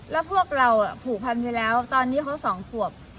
แล้วพวกเราผูกพันอยู่แล้วตอนนี้เขาสองขวบ